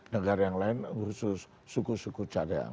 negara yang lain khusus suku suku cadang